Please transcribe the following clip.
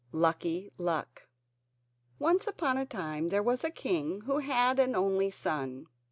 ] Lucky Luck Once upon a time there was a king who had an only son.